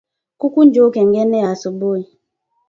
Kuku njo kengele ya asubui